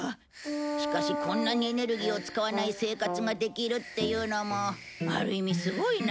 しかしこんなにエネルギーを使わない生活ができるっていうのもある意味すごいな。